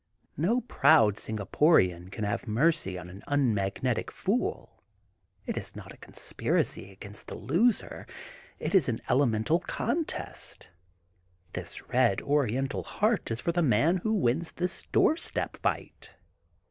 No proud Singaporian can have mercy on an unmagnetic fool. It is not a con spiracy against the loser. It is an elemental contest. This red oriental heart is for the man who wins this doorstep fight.